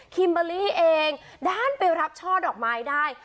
เบอร์รี่เองด้านไปรับช่อดอกไม้ได้